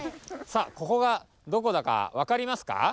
さあここがどこだかわかりますか？